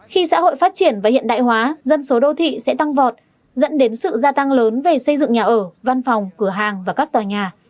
khi xã hội phát triển và hiện đại hóa dân số đô thị sẽ tăng vọt dẫn đến sự gia tăng lớn về xây dựng nhà ở văn phòng cửa hàng và các tòa nhà